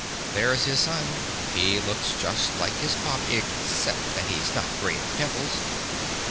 There's his son; he looks just like his pop, except that he's not grey at the temples.